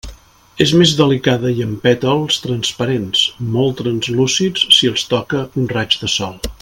És més delicada i amb pètals transparents, molt translúcids si els toca un raig de sol.